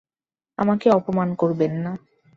আমাকে অপমান করবেন না।